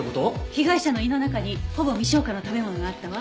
被害者の胃の中にほぼ未消化の食べ物があったわ。